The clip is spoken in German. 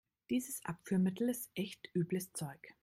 Dieses Abführmittel ist echt übles Zeug.